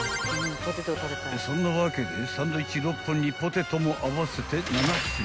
［そんなわけでサンドイッチ６本にポテトも合わせて７品］